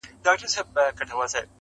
له لیري د جرس ږغونه اورمه زنګېږم-